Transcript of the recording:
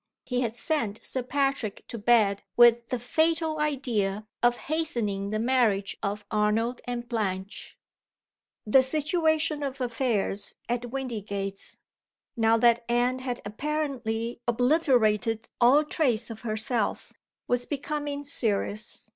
He had sent Sir Patrick to bed with the fatal idea of hastening the marriage of Arnold and Blanche. The situation of affairs at Windygates now that Anne had apparently obliterated all trace of herself was becoming serious.